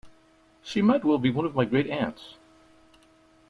She might well be one of my great aunts.